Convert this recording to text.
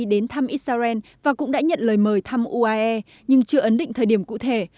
đến thăm israel và cũng đã nhận lời mời thăm uae nhưng chưa ấn định thời điểm cụ thể